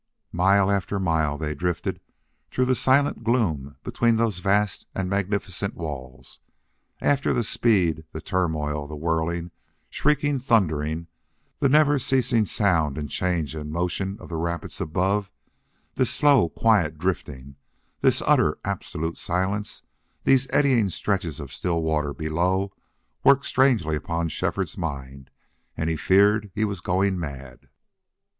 Mile after mile they drifted through the silent gloom between those vast and magnificent walls. After the speed, the turmoil, the whirling, shrieking, thundering, the never ceasing sound and change and motion of the rapids above, this slow, quiet drifting, this utter, absolute silence, these eddying stretches of still water below, worked strangely upon Shefford's mind and he feared he was going mad.